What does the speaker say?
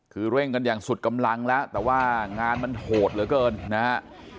คือเร่งกันอย่างสุดกำลังแล้วแต่ว่างานมันโหดเหลือเกินนะฮะ